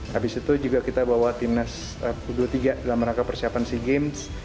habis itu juga kita bawa timnas u dua puluh tiga dalam rangka persiapan sea games